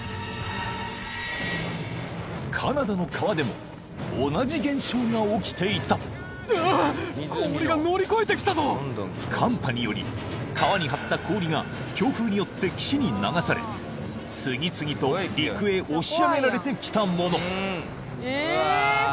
カナダの川でも同じ現象が起きていた寒波により川に張った氷が強風によって岸に流され次々と陸へ押し上げられてきたもの